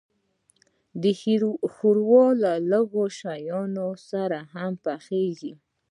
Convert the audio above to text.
ښوروا له لږو شیانو سره هم پخیږي.